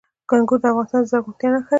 انګور د افغانستان د زرغونتیا نښه ده.